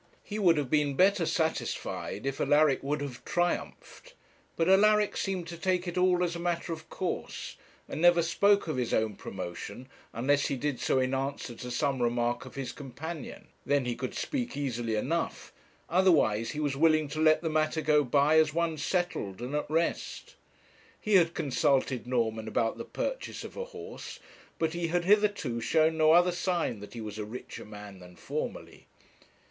He would have been better satisfied if Alaric would have triumphed; but Alaric seemed to take it all as a matter of course, and never spoke of his own promotion unless he did so in answer to some remark of his companion; then he could speak easily enough; otherwise he was willing to let the matter go by as one settled and at rest. He had consulted Norman about the purchase of a horse, but he hitherto had shown no other sign that he was a richer man than formerly.